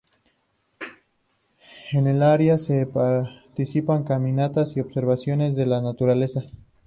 En el área se practican caminatas y observación de la naturaleza.